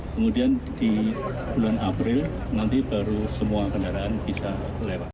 kemudian di bulan april nanti baru semua kendaraan bisa lewat